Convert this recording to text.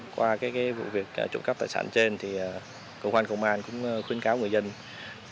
qua cái vụ việc trụng cấp tài sản trên thì cơ quan công an cũng khuyến cáo người dân